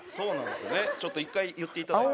ちょっと一回言っていただいて。